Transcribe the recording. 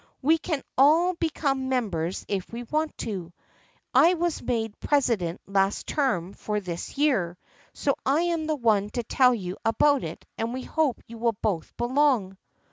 We can all become mem bers if we want to. I was made president last term for this year, so I am the one to tell you about it and we hope you will both belong."